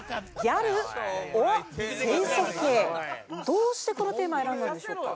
どうしてこのテーマを選んだんでしょうか？